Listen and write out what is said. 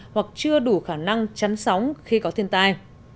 hoặc chưa đủ khả năng chắn sóng khi có thiên tai